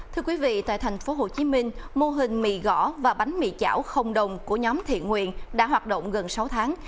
thưa quý vị tại thành phố hồ chí minh mô hình mì gõ và bánh mì chảo không đồng của nhóm thị nguyên đã hoạt động gần sáu tháng